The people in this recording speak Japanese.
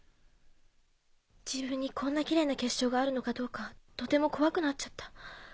自分にこんなきれいな結晶があるのかどうかとても怖くなっちゃった。